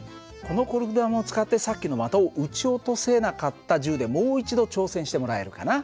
このコルク弾を使ってさっきの的を撃ち落とせなかった銃でもう一度挑戦してもらえるかな。